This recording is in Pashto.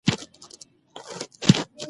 د خښتو پخولو بخارۍ په ډیرو سیمو کې شته.